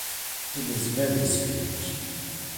It was very strange.